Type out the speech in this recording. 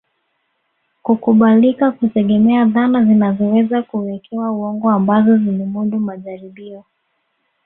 Kukubalika hutegemea dhana zinazoweza kuwekewa uongo ambazo zilimudu majaribio